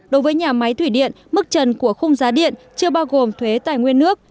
đối với nhà máy thủy điện mức trần của khung giá điện chưa bao gồm thuế tài nguyên nước